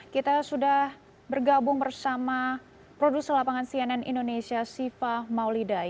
kita sudah bergabung bersama produser lapangan cnn indonesia siva mauliday